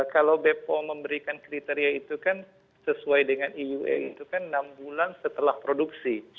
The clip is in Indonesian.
kalau bepom memberikan kriteria itu kan sesuai dengan eua itu kan enam bulan setelah produksi